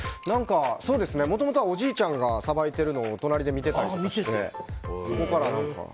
もともとはおじいちゃんがさばいてるのを隣で見てまして、そこから。